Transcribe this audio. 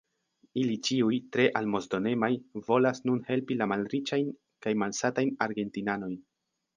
Ili ĉiuj, tre almozdonemaj, volas nun helpi la malriĉajn kaj malsatajn argentinanojn.